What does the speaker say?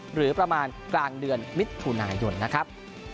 หรือประมาณกลางเดือนมิถุนายนนะครับ